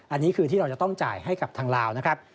อันนี้คือที่เราจะต้องจ่ายให้กับทางลาวนะครับ